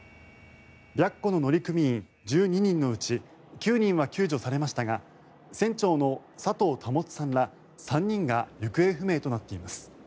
「白虎」の乗組員１２人のうち９人は救助されましたが船長の佐藤保さんら３人が行方不明となっています。